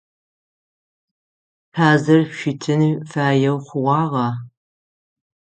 Тазыр шъутын фаеу хъугъагъа?